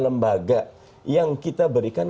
lembaga yang kita berikan